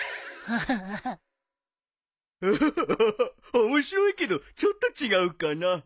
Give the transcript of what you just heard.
アハハ面白いけどちょっと違うかな。